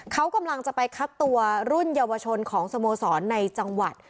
เขากำลังจะไปคัดตัวรุ่นเยาวชนของสโมสรในจังหวัด